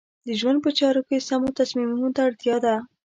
د ژوند په چارو کې سمو تصمیمونو ته اړتیا ده.